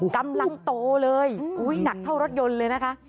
กำลังโตเลยหนักเท่ารถยนต์เลยนะคะ